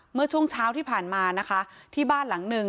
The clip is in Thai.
เมื่อช่วงเช้าที่ผ่านมานะคะที่บ้านหลังหนึ่ง